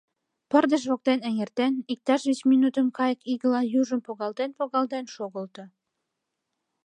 Пырдыж воктен эҥертен, иктаж вич минутым кайык игыла южым погалтен-погалтен шогылто.